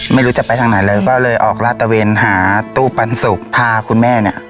ไม่รู้จะไปทางไหนเลยก็เลยออกลาดตะเวนหาตู้ปันสุกพาคุณแม่เนี่ย